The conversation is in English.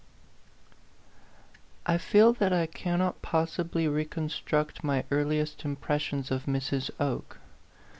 I FEEL that I cannot possibly reconstruct my earliest impressions of Mrs. Oke.